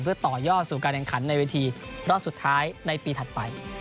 เพื่อต่อยอดสู่การแข่งขันในเวทีรอบสุดท้ายในปีถัดไป